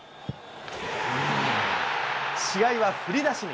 試合は振り出しに。